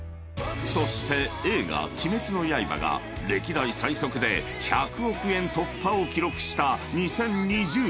［そして映画『鬼滅の刃』が歴代最速で１００億円突破を記録した２０２０年］